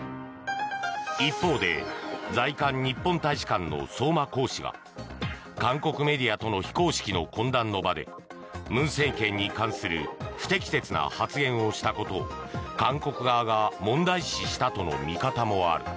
一方で、在韓日本大使館の相馬公使が韓国メディアとの非公式の懇談の場で文政権に関する不適切な発言をしたことを韓国側が問題視したとの見方もある。